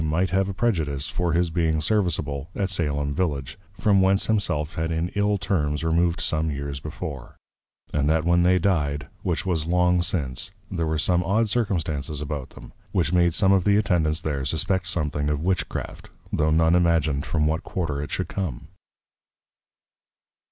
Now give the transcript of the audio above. B._ might have a prejudice for his being serviceable at Salem Village, from whence himself had in ill Terms removed some Years before: And that when they dy'd, which was long since, there were some odd Circumstances about them, which made some of the Attendents there suspect something of Witch craft, tho none Imagined from what Quarter it should come.